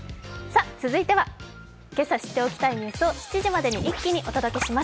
続いては、けさ知っておきたいニュースを７時までに一気にお届けします